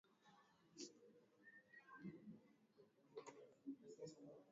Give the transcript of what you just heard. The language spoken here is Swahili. ienea katika makazi zaidi ya milioni tatu